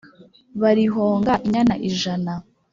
barihonga inyana ijana